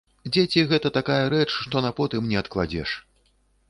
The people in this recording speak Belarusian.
Дзеці гэта такая рэч, што на потым не адкладзеш.